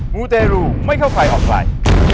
มูเตรุให้รุไม่เข้าใครออกใคร